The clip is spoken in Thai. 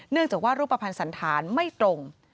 จากว่ารูปภัณฑ์สันธารไม่ตรง